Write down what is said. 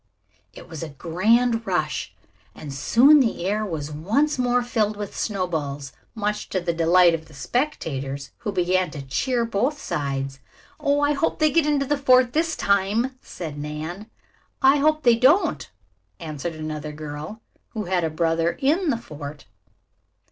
It was a grand rush and soon the air was once more filled with snowballs, much to the delight of the spectators, who began to cheer both sides. "Oh, I hope they get into the fort this time," said Nan. "I hope they don't," answered another girl, who had a brother in the fort.